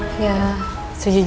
mereka diberi bahwasan remembered